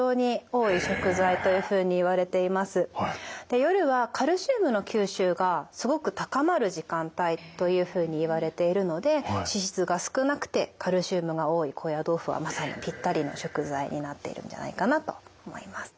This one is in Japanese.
で夜はカルシウムの吸収がすごく高まる時間帯というふうにいわれているので脂質が少なくてカルシウムが多い高野豆腐はまさにピッタリの食材になっているんじゃないかなと思います。